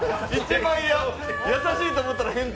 優しいと思ったら変態。